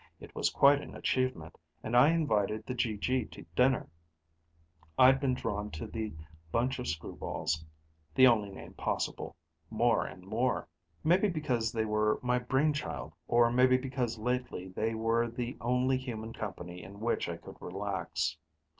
It was quite an achievement, and I invited the GG to dinner. I'd been drawn to the bunch of screwballs the only name possible more and more. Maybe because they were my brain child, or maybe because lately they were the only human company in which I could relax.